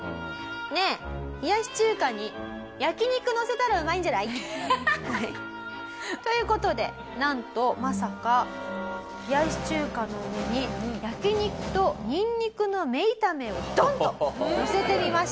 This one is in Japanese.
「ねえ冷やし中華に焼肉のせたらうまいんじゃない？」。という事でなんとまさか冷やし中華の上に焼肉とニンニクの芽炒めをドンッとのせてみました。